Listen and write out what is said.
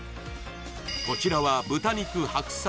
こちらは豚肉白菜